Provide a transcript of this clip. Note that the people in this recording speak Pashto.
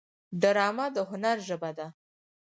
ډرامه د هنر ژبه ده